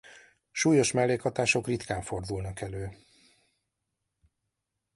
Súlyos mellékhatások ritkán fordulnak elő.